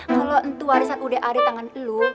kalo entu warisan udah ada di tangan lo